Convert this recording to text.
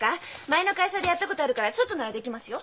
前の会社でやったことあるからちょっとならできますよ。